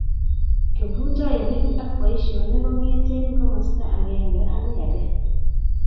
kiprutoinik ako boisionik kong'ete komasta agenge akoi age.